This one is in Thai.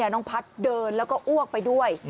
น้องพัฒน์เดินแล้วก็อ้วกไปด้วย